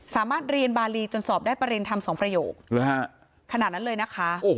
สามารถเรียนบารีจนสอบได้ประเด็นธรรมสองประโยคขนาดนั้นเลยนะคะ